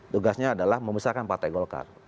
tugasnya adalah membesarkan pak t golkar